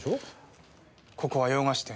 ここは洋菓子店。